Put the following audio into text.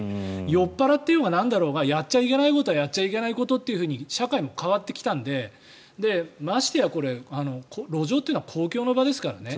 酔っ払っていようがなんだろうがやっちゃいけないことはやっちゃいけないと社会が変わってきたのでましてやこれ、路上というのは公共の場ですからね。